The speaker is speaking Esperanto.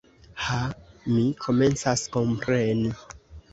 Ha, mi komencas kompreni.